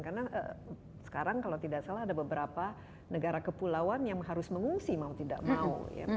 karena sekarang kalau tidak salah ada beberapa negara kepulauan yang harus mengungsi mau tidak mau